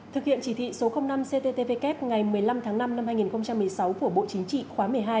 thực hiện chỉ thị số năm cttvk ngày một mươi năm tháng năm năm hai nghìn một mươi sáu của bộ chính trị khóa một mươi hai